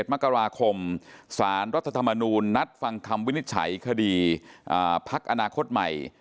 มกราคมสารรัฐธรรมนูญนัดฟังคำวินิจฉัยคดีพักอนาคตใหม่